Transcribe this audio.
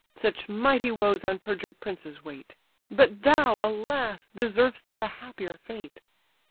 Such mighty woes on perjured princes wait; But thou, alas! deserv'st a happier fate.